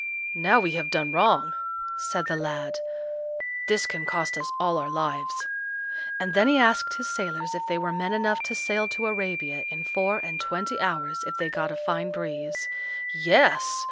"Now we have done wrong," said the lad; "this can cost us all our lives;" and then he asked his sailors if they were men enough to sail to Arabia in four and twenty hours if they got a fine breeze. Yes!